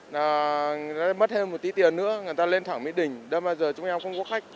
nó mất thêm một tí tiền nữa người ta lên thẳng mỹ đình đâm vào giờ chúng em không có khách